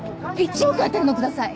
１億当たるのください！